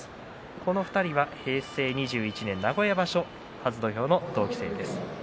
この２人は平成２１年名古屋場所初土俵の同期生です。